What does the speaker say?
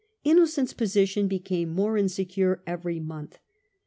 Innocent's position became more insecure every month.